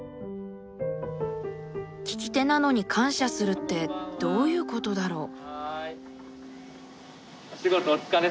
聞き手なのに感謝するってどういうことだろう？